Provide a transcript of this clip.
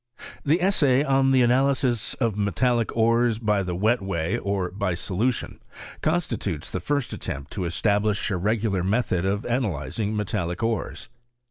13. The Essay on the Analysis of Metallic Ores by the wet way, or by solution, constitutes the iirst attempt to establish a regular method of ana lyzing metallic ores.